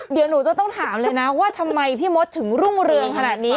เดี๋ยวหนูจะต้องถามเลยนะว่าทำไมพี่มดถึงรุ่งเรืองขนาดนี้